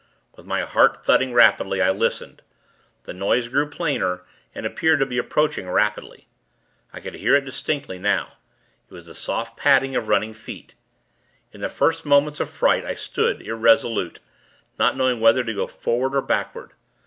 With my heart thudding heavily, I listened. The noise grew plainer, and appeared to be approaching, rapidly. I could hear it distinctly, now. It was the soft padding of running feet. In the first moments of fright, I stood, irresolute; not knowing whether to go forward or backward.